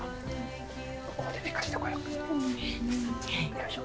よいしょ。